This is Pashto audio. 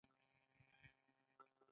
هېڅ انسان له بل انسان څخه ټیټ نه دی.